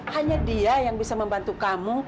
hanya dia yang bisa membantu kamu